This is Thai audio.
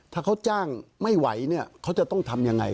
ถ้าเขาจ้างไม่ไหวเนี่ยเขาจะต้องทำยังไง